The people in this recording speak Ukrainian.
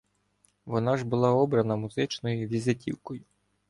вона ж була обрана музичною візитівкою.